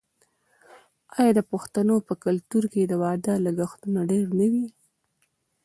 آیا د پښتنو په کلتور کې د واده لګښتونه ډیر نه وي؟